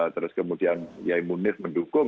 terus kemudian yai munir mendukung